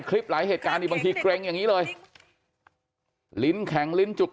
หลายเหตุการณ์นี่บางทีเกร็งอย่างนี้เลยลิ้นแข็งลิ้นจุก